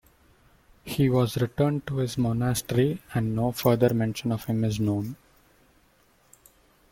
He was returned to his monastery, and no further mention of him is known.